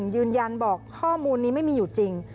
ยืนยันบอกข้อมูลนี้ไม่มีอยู่จริง